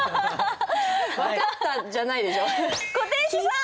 「分かった」じゃないでしょ。